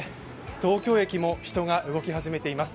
東京駅も人が動き始めています。